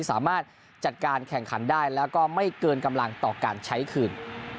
สามารถจัดการแข่งขันได้แล้วก็ไม่เกินกำลังต่อการใช้คืน